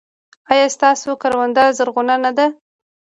ایا ستاسو کرونده زرغونه نه ده؟